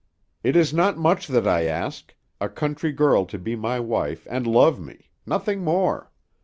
It is not much that I ask; a country girl to be my wife, and love me nothing more.